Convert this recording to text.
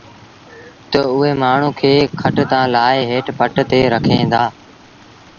تا اُئي مآڻهوٚٚݩ کي کٽ تآݩ لآهي هيٺ پٽ تي رکين دآ